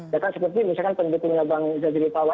ya kan seperti misalkan pendukungnya bang jazilul tawah